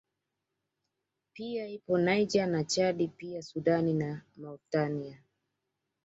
Pia ipo Niger na Chadi pia Sudani na Mauritania